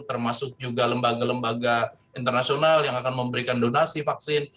termasuk juga lembaga lembaga internasional yang akan memberikan donasi vaksin